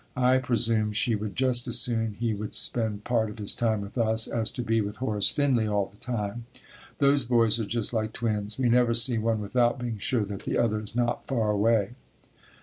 I presume she would just as soon he would spend part of his time with us as to be with Horace Finley all the time. Those boys are just like twins. We never see one without being sure that the other is not far away.